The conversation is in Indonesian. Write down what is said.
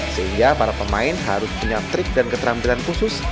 sehingga para pemain harus punya trik dan keterampilan khusus